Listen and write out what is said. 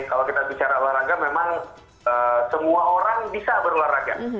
kalau kita bicara olahraga memang semua orang bisa berolahraga